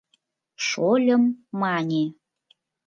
Шольым мане: